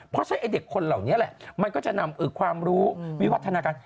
เพราะฉะนั้นไอ้เด็กคนเหล่านี้แหละมันก็จะนำความรู้วิวัฒนาการ